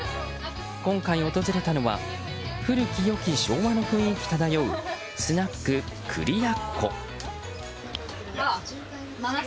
今回訪れたのは古き良き昭和の雰囲気漂うスナック栗奴。